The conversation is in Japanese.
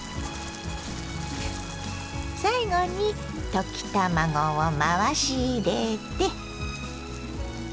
最後に溶き卵を回し入れて。